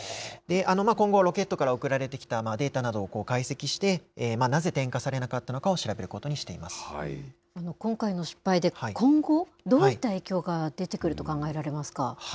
今後、ロケットから送られてきたデータなどを解析して、なぜ点火されなかったのかを調べることに今回の失敗で、今後、どういった影響が出てくると考えられますか。